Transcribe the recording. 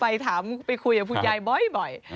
ไปถามไปคุยกับคุณยายบ่อย